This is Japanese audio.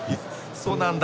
そうなんだ。